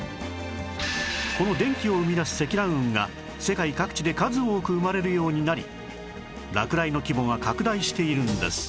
この電気を生み出す積乱雲が世界各地で数多く生まれるようになり落雷の規模が拡大しているんです